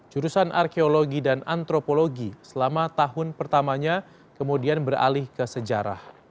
jurusan arkeologi dan antropologi selama tahun pertamanya kemudian beralih ke sejarah